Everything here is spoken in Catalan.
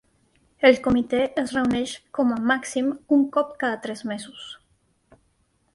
El Comitè es reuneix com a màxim un cop cada tres mesos.